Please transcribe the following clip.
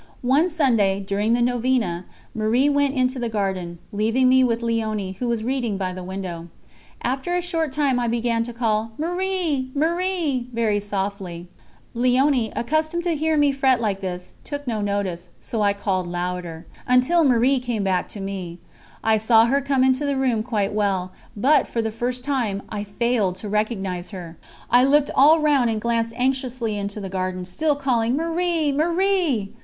One Sunday, during the novena, Marie went into the garden, leaving me with Léonie, who was reading by the window. After a short time I began to call: "Marie! Marie!" very softly. Léonie, accustomed to hear me fret like this, took no notice, so I called louder, until Marie came back to me. I saw her come into the room quite well, but, for the first time, I failed to recognise her. I looked all round and glanced anxiously into the garden, still calling: "Marie! Marie!"